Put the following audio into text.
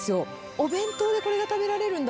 お弁当でこれが食べられるんだ。